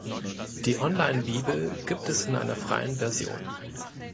Die Online-Bibel gibt es in einer freien Version.